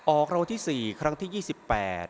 ออกรางวัลที่สี่ครั้งที่ยี่สิบแปด